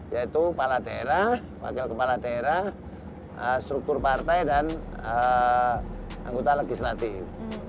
yaitu kepala daerah wakil kepala daerah struktur partai dan anggota legislatif